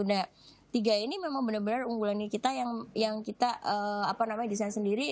nah tiga ini memang benar benar unggulannya kita yang kita desain sendiri